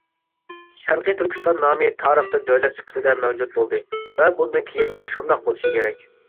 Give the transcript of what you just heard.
شەرقى تۈركىستان نامى تارىختا دۆلەت سۈپىتىدە مەۋجۇت بولدى ۋە بۇندىن كېيىنمۇ شۇنداق بولۇشى كېرەك.